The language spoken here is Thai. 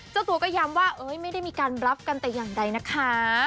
เจ้าตัวก็ย้ำว่าไม่ได้มีการรับกันแต่อย่างใดนะคะ